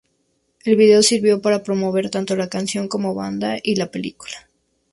El video sirvió para promover tanto la canción como banda y la película.